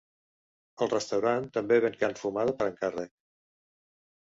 El restaurant també ven carn fumada per encàrrec.